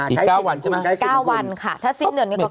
อีก๙วันใช่ไหมครับคุณใช้๑๐วันค่ะถ้า๑๐เดือนนี้ก็๙วัน